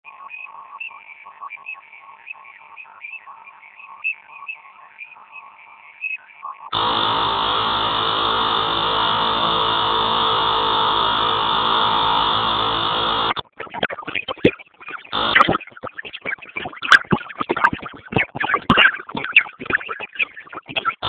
kihiro tamirmiryet ab kwanit ako inendet be king'ololdos tuai